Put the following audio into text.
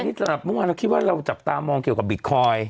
นี่สำหรับเมื่อวานเราคิดว่าเราจับตามองเกี่ยวกับบิตคอยน์